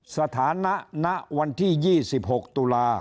สถานะณวันที่๒๖ตุลา